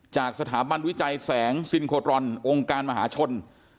จากสถาบันวิจัยแสงซินโครอนองค์การมหาชน